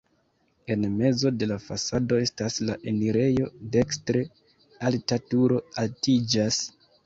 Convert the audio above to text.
En mezo de la fasado estas la enirejo, dekstre alta turo altiĝas.